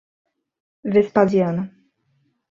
Vespasiano